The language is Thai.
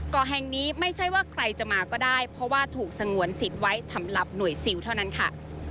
เกาะแห่งนี้ไม่ใช่ว่าใครจะมาก็ได้เพราะว่าถูกสงวนจิตไว้สำหรับหน่วยซิลเท่านั้นค่ะ